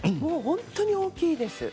本当に大きいです。